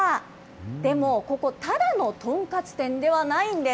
でも、ここ、ただの豚カツ店ではないんです。